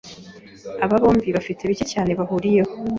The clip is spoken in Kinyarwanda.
Aba bombi bafite bike cyane bahuriyeho.